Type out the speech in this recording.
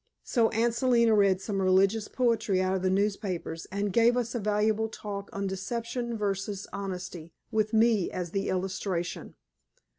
So Aunt Selina read some religious poetry out of the newspapers, and gave us a valuable talk on Deception versus Honesty, with me as the illustration.